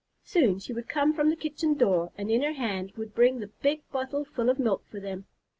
Soon she would come from the kitchen door and in her hand would bring the big bottle full of milk for them.